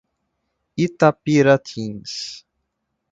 Itapiratins